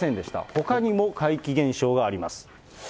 ほかにも怪奇現象があります。